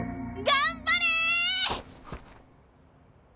頑張れ！